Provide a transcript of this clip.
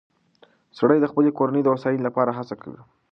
سړی د خپلې کورنۍ د هوساینې لپاره هڅه کوي